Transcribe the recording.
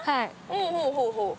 ほうほうほうほう。